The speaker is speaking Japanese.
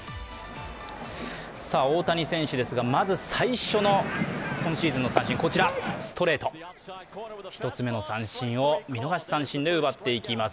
大谷選手ですが、まず最初の今シーズンの三振、こちら、ストレート、１つ目の三振を見逃し三振で奪っていきます。